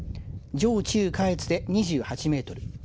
上中下越で２８メートル